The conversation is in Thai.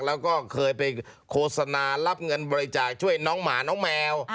แล้วก็เคยไปโฆษณารับเงินบริจาคช่วยน้องหมาน้องแมว